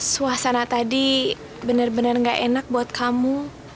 suasana tadi bener bener gak enak buat kamu